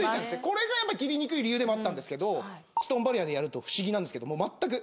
これが切りにくい理由でもあったんですけどストーンバリアでやると不思議なんですけどまったく。